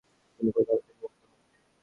তিনি প্রধানমন্ত্রী নিযুক্ত হন।